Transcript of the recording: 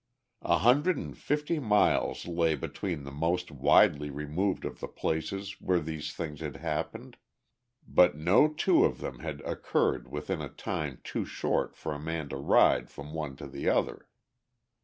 A hundred and fifty miles lay between the most widely removed of the places where these things had happened, but no two of them had occurred within a time too short for a man to ride from one to the other.